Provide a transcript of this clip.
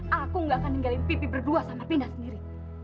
aku nggak akan ninggalin pipi berdua sama pina sendiri